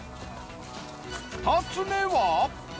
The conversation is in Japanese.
２つ目は。